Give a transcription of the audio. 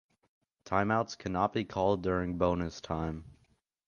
Timeouts cannot be called during bonus time.